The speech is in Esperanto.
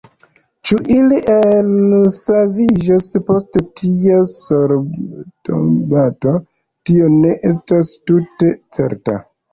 Ĉu ili elsaviĝos post tia sortobato, tio ne estas tute certa.